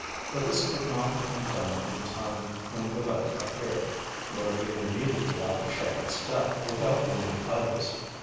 But this could not have been done in the time when Villette appeared, nor even immediately after Charlotte's death, without wounding others.